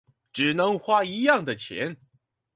只能花一樣的錢